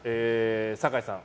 坂井さん。